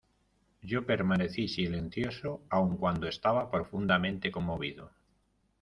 yo permanecí silencioso, aun cuando estaba profundamente conmovido.